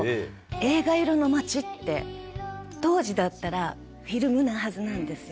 「映画色の街」って当時だったらフィルムなはずなんですよ。